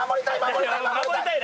「守りたい！」